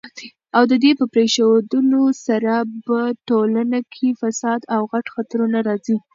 او ددي په پريښودلو سره په ټولنه کي فساد او غټ خطرونه راځي